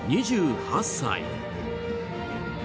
２８歳。